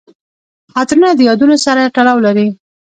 عطرونه د یادونو سره تړاو لري.